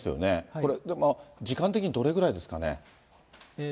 これ、時間的にどれぐらいですかね。